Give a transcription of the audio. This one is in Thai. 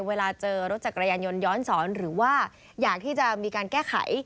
เวลาเจอรถจักรยานยนต์ย้อนสอนหรือว่าอยากที่จะมีการแก้ไข